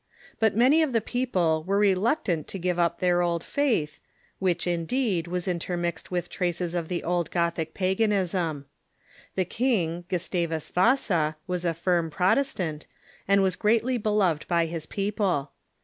But many of the people were reluctant to give up their old faith, which, indeed, was intermixed with traces of the old Gothic paganism. The king, Gustavus Yasa, was a firm Protestant, and was greatly beloved by his people.